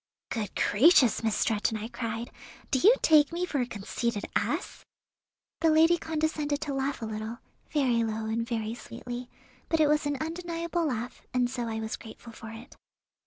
"Good gracious, Miss Stretton," I cried, "do you take me for a conceited ass?" The lady condescended to laugh a little, very low and very sweetly, but it was an undeniable laugh, and so I was grateful for it.